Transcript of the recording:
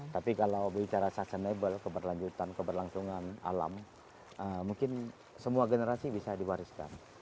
tapi kalau bicara sustainable keberlanjutan keberlangsungan alam mungkin semua generasi bisa diwariskan